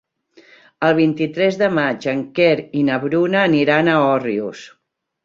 El vint-i-tres de maig en Quer i na Bruna aniran a Òrrius.